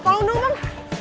kalau nunggu bang